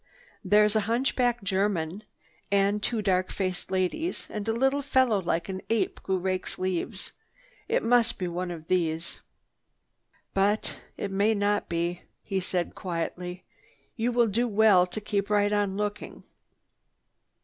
There's a hunchback German and two dark faced ladies and a little fellow like an ape who rakes leaves. It must be one of these." "But may not be," he said quietly. "You will do well to keep right on looking."